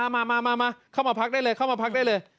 มาเข้ามาพักได้เลย